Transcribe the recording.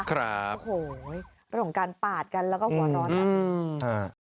ครับโอ้โหประสงค์การปาดกันแล้วก็หัวนอนอ่ะ